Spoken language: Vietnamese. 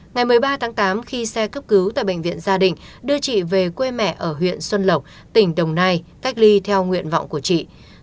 ngày một mươi ba tháng tám khi xe cấp cứu tại bệnh viện gia đình đưa chị về quê mẹ ở huyện xuân lộc tỉnh đồng nai cách ly theo nguyện vọng của chị